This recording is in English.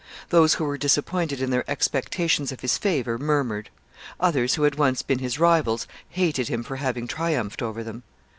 Those who were disappointed in their expectations of his favor murmured. Others, who had once been his rivals, hated him for having triumphed over them.